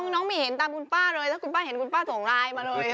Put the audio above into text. น้องไม่เห็นตามคุณป้าเลยถ้าคุณป้าเห็นคุณป้าส่งไลน์มาเลย